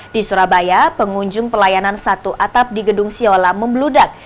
di surabaya pengunjung pelayanan satu atap di gedung siola membeludak